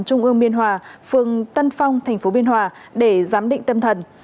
trung ương biên hòa phường tân phong tp biên hòa để giám định tâm thần